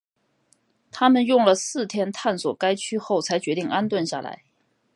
他们用了四天探索该区后才决定安顿下来。